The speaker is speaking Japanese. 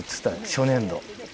初年度。